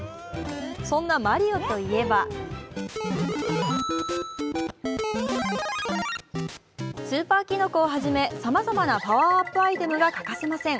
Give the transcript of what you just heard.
そんなマリオといえばスーパーキノコをはじめさまざまなパワーアップアイテムが欠かせません。